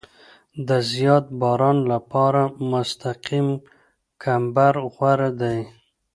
د زیات باران لپاره مستقیم کمبر غوره دی